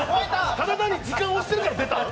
ただ単に時間押してるから出たん？